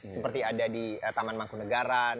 seperti ada di taman mangkunegaran